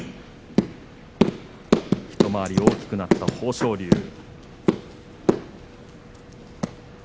一回り大きくなった豊昇龍。